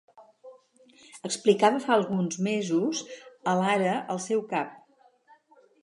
explicava fa alguns mesos a l'Ara el seu cap